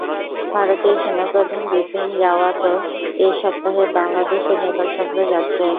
ভারতীয় সেনাপ্রধান বিপিন রাওয়াতও এ সপ্তাহে বাংলাদেশ ও নেপাল সফরে যাচ্ছেন।